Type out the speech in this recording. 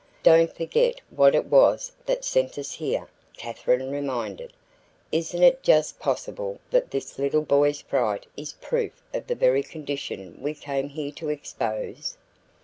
"Don't forget what it was that sent us here," Katherine reminded. "Isn't it just possible that this little boy's fright is proof of the very condition we came here to expose?"